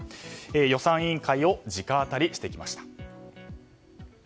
予算委員会を直アタリしてきました。